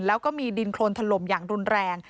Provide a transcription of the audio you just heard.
แล้วก็มีดินโครนถล่มอย่างรุนแรง